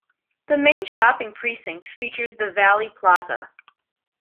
The main shopping precinct features the Valley Plaza.